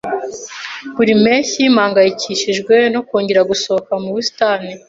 Buri mpeshyi mpangayikishijwe no kongera gusohoka mu busitani.